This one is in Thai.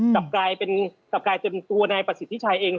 กลายเป็นกลายเป็นตัวนายประสิทธิ์ชายเอง